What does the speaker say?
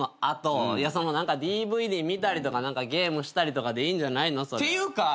ＤＶＤ見たりとかゲームしたりとかでいいんじゃないの？っていうか。